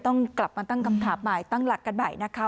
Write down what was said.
ต้องกลับมาตั้งคำถามใหม่ตั้งหลักกันใหม่นะคะ